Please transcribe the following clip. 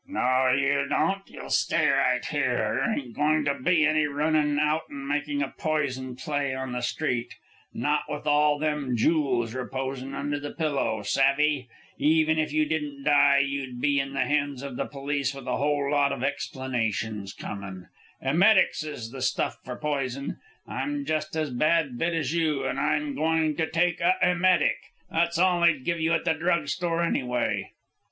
"No you don't. You'll stay right here. There ain't goin' to be any runnin' out an' makin' a poison play on the street not with all them jools reposin' under the pillow. Savve? Even if you didn't die, you'd be in the hands of the police with a whole lot of explanations comin'. Emetics is the stuff for poison. I'm just as bad bit as you, an' I'm goin' to take a emetic. That's all they'd give you at a drug store, anyway."